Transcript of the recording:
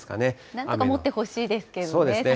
なんとかもってほしいですけどね、桜。